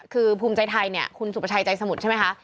คือภูมิใจไทยเนี่ยคุณสุประชัยใจสมุทรใช่ไหมคะ